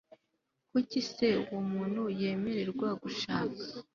kuki se uwo muntu yemererwa gushaka